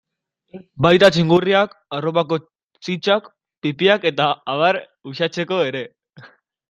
Baita txingurriak, arropako sitsak, pipiak eta abar uxatzeko ere.